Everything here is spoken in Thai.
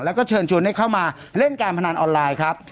แล้วก็เชิญชวนให้เข้ามาเล่นการพนันออนไลน์ครับ